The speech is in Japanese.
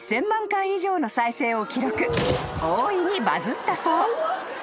［大いにバズったそう］